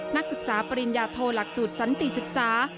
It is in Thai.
นักศึกษาปริญญาโทหลักสูตรสันติศึกษา